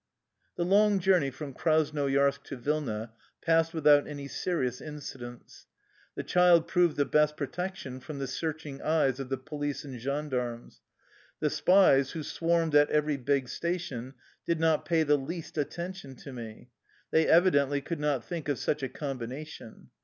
The long journey from Krasnoyarsk to Vilna passed without any serious incidents. The child proved the best protection from the searching eyes of the police and gendarmes. The spies who swarmed at every big station did not* pay the least attention to me. They evidently could not think of such a combination.